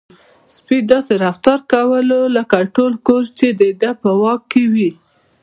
سپی داسې رفتار کاوه لکه ټول کور چې د ده په واک کې وي.